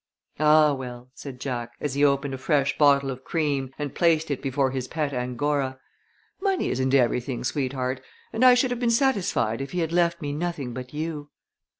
"Ah, well," said Jack, as he opened a fresh bottle of cream and placed it before his pet Angora, "money isn't everything, sweetheart, and I should have been satisfied if he had left me nothing but you."